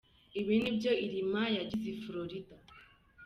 ibi nivyo Irma yagize i Florida.